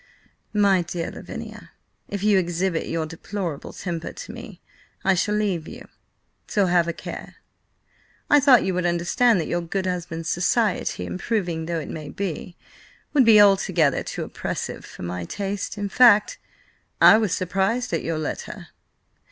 "My dear Lavinia, if you exhibit your deplorable temper to me, I shall leave you, so have a care. I thought you would understand that your good husband's society, improving though it may be, would be altogether too oppressive for my taste. In fact, I was surprised at your letter."